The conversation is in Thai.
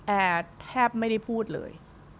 แอร์แทบไม่ได้พูดเลย